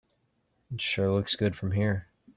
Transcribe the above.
It sure looks good from here.